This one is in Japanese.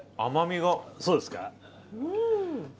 そうですか。